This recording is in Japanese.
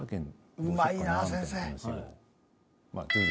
うまいなぁ先生。